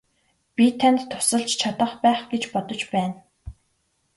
Би танд тусалж чадах байх гэж бодож байна.